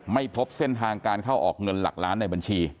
ไม่พบเส้นทางการเข้าออกเงินหลักล้านในบัญชี